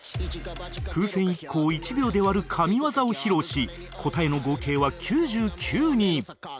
風船１個を１秒で割る神業を披露し答えの合計は９９に